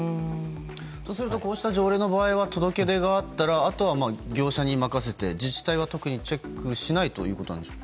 そうすると条例の場合は届け出があったらあとは業者に任せて自治体は特にチェックしないということでしょうか。